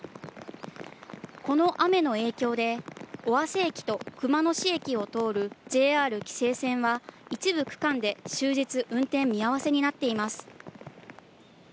この雨の影響で、尾鷲駅と熊野市駅を通るＪＲ紀勢線は、一部区間で終日運転見合わせになっています。